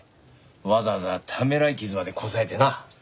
わざわざためらい傷までこさえてな。